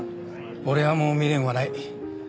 俺はもう未練はない。